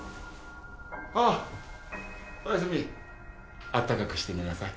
ああおやすみあったかくして寝なさい